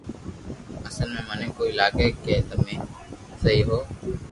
اسل مي مني ڪوئي لاگي ڪي تمي سھو ھون